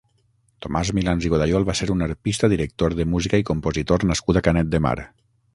Tomàs Milans i Godayol va ser un arpista, director de música i compositor nascut a Canet de Mar.